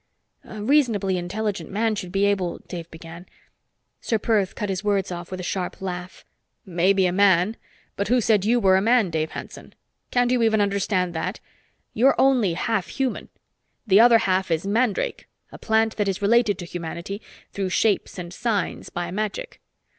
"A reasonably intelligent man should be able " Dave began. Ser Perth cut his words off with a sharp laugh. "Maybe a man. But who said you were a man, Dave Hanson? Can't you even understand that? You're only half human. The other half is mandrake a plant that is related to humanity through shapes and signs by magic.